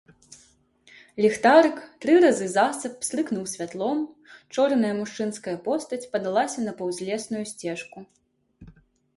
Ліхтарык тры разы засаб пстрыкнуў святлом, чорная мужчынская постаць падалася на паўзлесную сцежку.